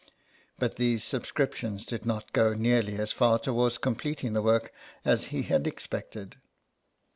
But these subscriptions did not go nearly as far towards com pleting the work as he had expected.